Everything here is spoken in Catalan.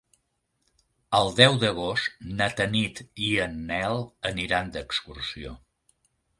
El deu d'agost na Tanit i en Nel aniran d'excursió.